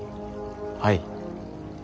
はい。